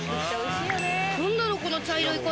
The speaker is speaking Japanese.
何だろうこの茶色い粉。